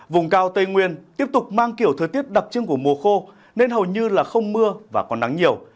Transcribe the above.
vùng cao tây nguyên tiếp tục mang kiểu thời tiết đặc trưng của mùa khô nên hầu như là không mưa và còn nắng nhiều